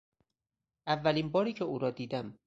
اولین باری که او را دیدم